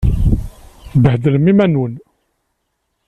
Tebbhedlem iman-nwen!